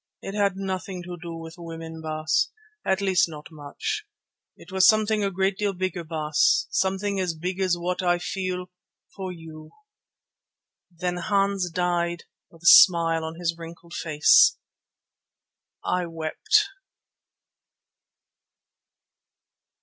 It had nothing to do with women, Baas, at least not much. It was something a great deal bigger, Baas, something as big as what I feel for you!" Then Hans died with a smile on his wrinkled face. I wept!